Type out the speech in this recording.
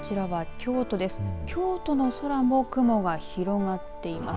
京都の空も雲が広がっています。